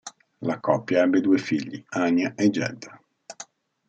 La coppia ebbe due figli, Anya e Jed.